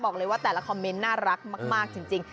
บอกเลยว่าแต่ละคอมเมนต์น่ารักมากจริง